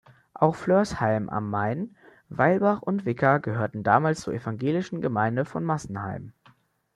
Auch Flörsheim am Main, Weilbach und Wicker gehörten damals zur evangelischen Gemeinde von Massenheim.